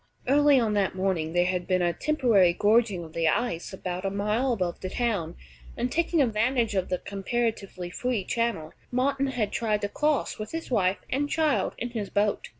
Early on that morning there had been a temporary gorging of the ice about a mile above the town, and, taking advantage of the comparatively free channel, Martin had tried to cross with his wife and child, in his boat.